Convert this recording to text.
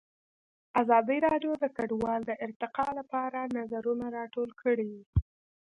ازادي راډیو د کډوال د ارتقا لپاره نظرونه راټول کړي.